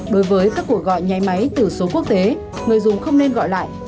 đối với các cuộc gọi nháy máy tử số quốc tế người dùng không nên gọi lại